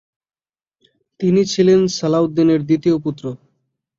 তিনি ছিলেন সালাহউদ্দিনের দ্বিতীয় পুত্র।